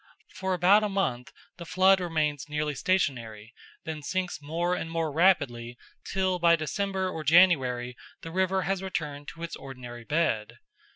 For about a month the flood remains nearly stationary, then sinks more and more rapidly, till by December or January the river has returned to its ordinary bed.